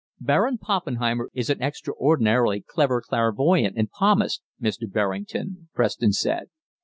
"Baron Poppenheimer is an extraordinarily clever clairvoyant and palmist, Mr. Berrington," Preston said.